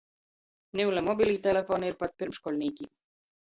Niule mobilī teleponi ir pat pyrmškoļnīkim.